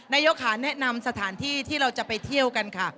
นายกค่ะแนะนำสถานที่ที่เราจะไปเที่ยวกันค่ะ